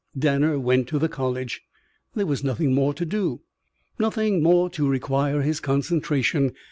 Danner went to the college. There was nothing more to do, nothing more to require his concentration.